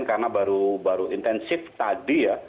karena baru intensif tadi ya